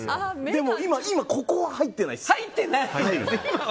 でも今、ここは入ってないです。